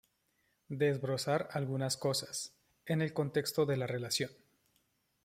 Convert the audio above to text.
desbrozar algunas cosas, en el contexto de la relación